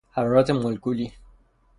حرارت مولکولی